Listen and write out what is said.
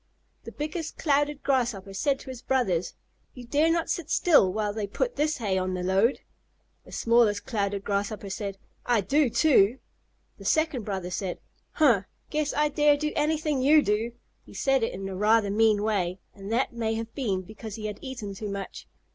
The biggest Clouded Grasshopper said to his brothers, "You dare not sit still while they put this hay on the load!" The smallest Clouded Grasshopper said, "I do too!" The second brother said, "Huh! Guess I dare do anything you do!" He said it in a rather mean way, and that may have been because he had eaten too much.